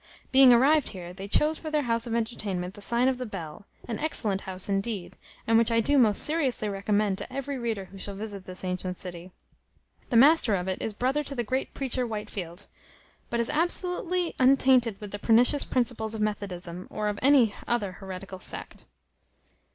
Being arrived here, they chose for their house of entertainment the sign of the Bell, an excellent house indeed, and which I do most seriously recommend to every reader who shall visit this antient city. The master of it is brother to the great preacher Whitefield; but is absolutely untainted with the pernicious principles of Methodism, or of any other heretical sect.